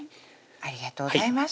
ありがとうございます